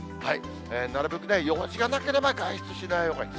なるべく用事がなければ外出しないほうがいい。